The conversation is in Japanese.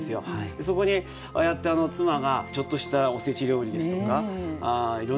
そこにああやって妻がちょっとしたおせち料理ですとかいろんなものを。